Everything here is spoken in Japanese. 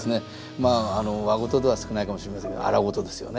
まあ和事では少ないかもしれませんけど荒事ですよね。